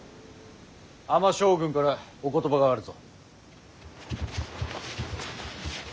尼将軍からお言葉があるぞ。